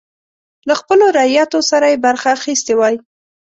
له خپلو رعیتو سره یې برخه اخیستې وای.